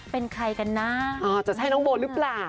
เป็นใครกันน่ะอ๋อจะใช่น้องโบลหรือเปล่าโอ้โฮ